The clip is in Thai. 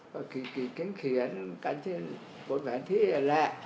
ไปขลีดเคียงการปลดแผนที่อะไร